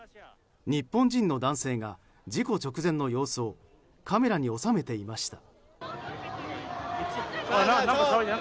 日本人の男性が事故直前の様子をカメラに収めていました。